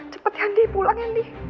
cepat andi pulang andi